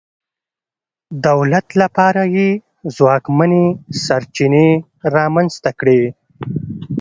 دولت لپاره یې ځواکمنې سرچینې رامنځته کړې.